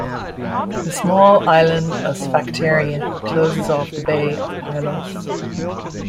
The small island Sphacteria closes off the bay of Pylos.